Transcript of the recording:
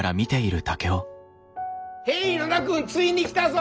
へい野田君ついに来たぞ！